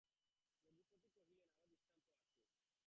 রঘুপতি কহিলেন, আরও দৃষ্টান্ত আছে।